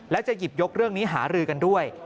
และจะหยิบยกเรื่องนี้หารือกันด้วย